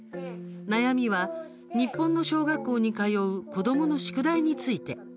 悩みは、日本の小学校に通う子どもの宿題について。